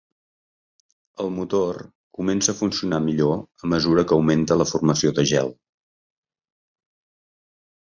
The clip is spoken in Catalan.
El motor comença a funcionar millor a mesura que augmenta la formació de gel.